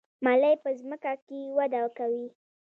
ملی په ځمکه کې وده کوي